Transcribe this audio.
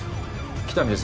喜多見です